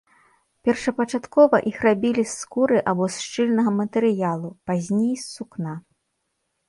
Першапачаткова іх рабілі з скуры або з шчыльнага матэрыялу, пазней з сукна.